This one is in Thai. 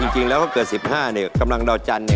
จริงแล้วเขาเกิด๑๕เนี่ยกำลังเดาจันเนี่ย